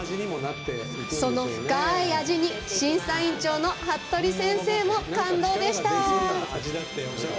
その深い味に審査員長の服部先生も感動でした。